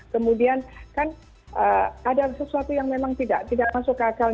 kemudian kan ada sesuatu yang memang tidak masuk akal